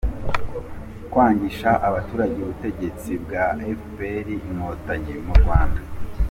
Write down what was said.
Kwangisha abaturage ubutegetsi bwa fpr inkotanyi mu Rwanda.